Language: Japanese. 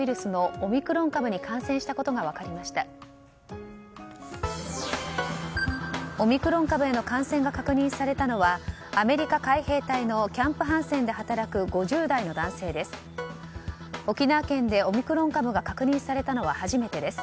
オミクロン株への感染が確認されたのはアメリカ海兵隊のキャンプ・ハンセンで働く５０代の男性です。